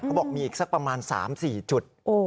บอกมีอีกสักประมาณ๓๔จุด